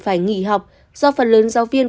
phải nghỉ học do phần lớn giáo viên